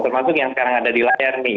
termasuk yang sekarang ada di layar nih